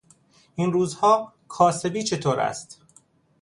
این روزها کاسبی چطور است؟